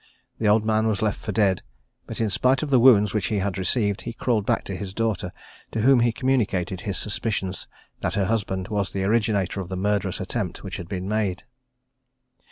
The old man was left for dead, but in spite of the wounds which he had received, he crawled back to his daughter, to whom he communicated his suspicions, that her husband was the originator of the murderous attempt which had been made.